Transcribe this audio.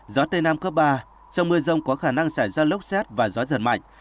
gió tây nam cấp ba trong mưa rông có khả năng xảy ra lốc xét và gió giật mạnh